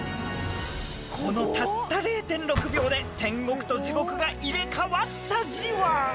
このたった０．６秒で天国と地獄が入れ替わったじわ。